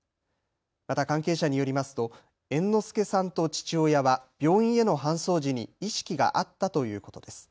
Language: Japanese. また関係者によりますと猿之助さんと父親は病院への搬送時に意識があったということです。